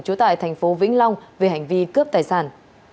trú tại thành phố vĩnh long về hành vi cướp tài sản